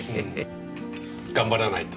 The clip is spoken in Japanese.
頑張らないと。